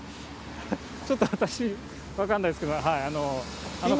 ちょっと、私、分かんないですけど。